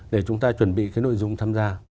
để chúng ta chuẩn bị cái nội dung tham gia